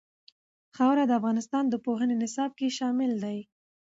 خاوره د افغانستان د پوهنې نصاب کې شامل دي.